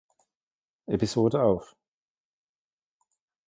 Episode auf.